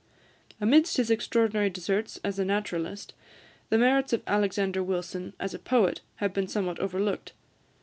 Amidst his extraordinary deserts as a naturalist, the merits of Alexander Wilson as a poet have been somewhat overlooked.